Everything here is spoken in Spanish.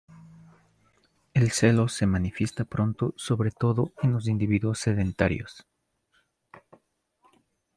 El celo se manifiesta pronto, sobre todo en los individuos sedentarios.